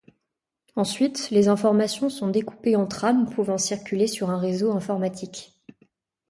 Ensuite, les informations sont découpées en trames pouvant circuler sur un réseau informatique.